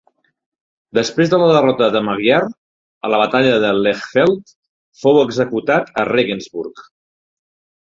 Després de la derrota de Magyar a la batalla de Lechfeld, fou executat a Regensburg.